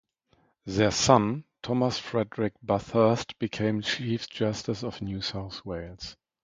Their son, Thomas Frederick Bathurst became Chief Justice of New South Wales.